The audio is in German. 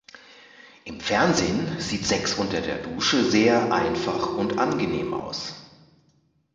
Im Fernsehen sieht Sex unter der Dusche sehr einfach und angenehm aus.